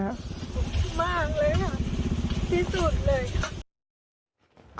มากเลยค่ะที่สุดเลยค่ะ